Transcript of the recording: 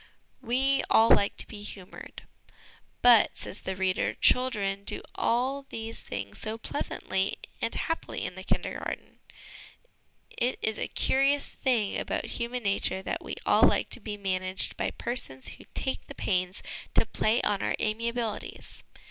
We aU like to be Humoured. ' But,' says the reader, 'children do all these things so pleasantly and happily in the Kindergarten!' It is a curious thing about human nature that we all like to be managed by persons who take the pains to play on our amiabilities.